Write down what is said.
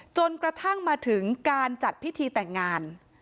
จนกระทั่งมาถึงการจัดพิธีแต่งงาน